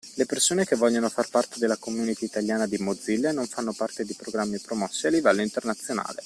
Le persone che vogliono far parte della community Italiana di Mozilla e non fanno parte di programmi promossi a livello internazionale.